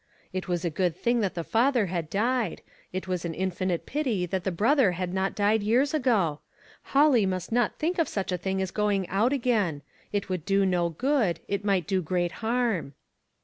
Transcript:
It was a good thing that the father had died. It was an infinite pity that the brother had not died years ago. Holly must not think of such a thing as going out again. It would do no good ; it might do great harm.